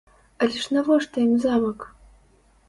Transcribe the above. Але ж навошта ім замак?